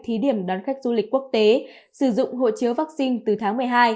thí điểm đón khách du lịch quốc tế sử dụng hộ chiếu vaccine từ tháng một mươi hai